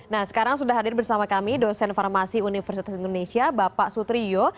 nah sekarang sudah hadir bersama kami dosen farmasi universitas indonesia bapak sutriyo